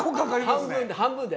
半分で。